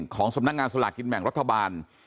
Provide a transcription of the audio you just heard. ของสำนักงานสลากกินแบ่งรัฐบาล